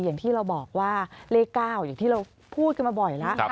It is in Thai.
อย่างที่เราบอกว่าเลข๙อย่างที่เราพูดกันมาบ่อยแล้ว